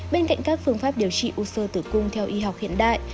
bên cạnh các phương pháp điều trị u sơ tử cung theo y học hiện đại